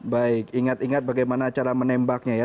baik ingat ingat bagaimana cara menembaknya ya